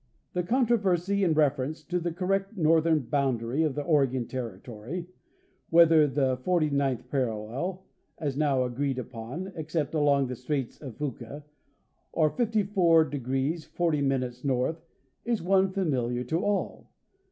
The controversy in reference to the correct northern boundary of the Oregon territory, whether the forty ninth parallel, as now agreed upon, except along the straits of Fuca, or 54° 40° north, is one familiar to all.